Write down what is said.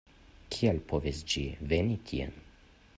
Kiel povis ĝi veni tien?